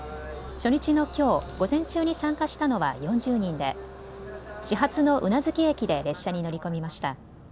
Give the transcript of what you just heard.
初日のきょう、午前中に参加したのは４０人で始発の宇奈月駅で列車に乗り込みました。